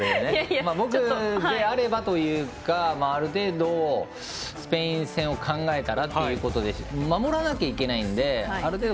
僕であればというかある程度、スペイン戦を考えたらというところで守らなきゃいけないんである程度